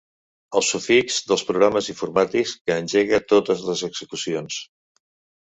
El sufix dels programes informàtics que engega totes les execucions.